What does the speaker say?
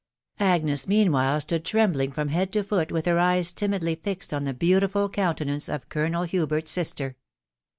Agnes meanwhile stood trembling from head to foot with her eyes timidly fixed on the beautiful countenance of Colonel Hubert's sister.